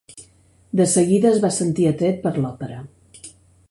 De seguida es va sentir atret per l'òpera.